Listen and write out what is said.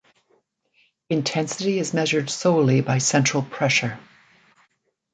Intensity is measured solely by central pressure.